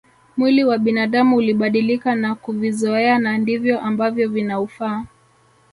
Mwili wa binadamu ulibadilika na kuvizoea na ndivyo ambavyo vinaufaa